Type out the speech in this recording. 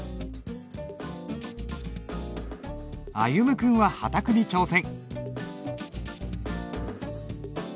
歩夢君は波磔に挑戦。